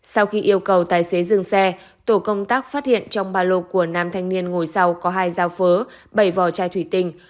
sau khi yêu cầu tài xế dừng xe tổ công tác phát hiện trong ba lô của nam thanh niên ngồi sau có hai dao phớ bảy vỏ chai thủy tinh